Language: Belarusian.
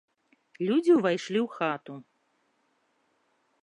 Людзі ўвайшлі ў хату.